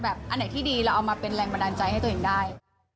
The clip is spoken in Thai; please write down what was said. อันไหนที่ดีเราเอามาเป็นแรงบันดาลใจให้ตัวเองได้